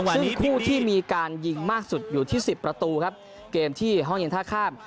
วันนี้คู่ที่มีการยิงมากสุดอยู่ที่สิบประตูครับเกมที่ห้องเย็นท่าข้าม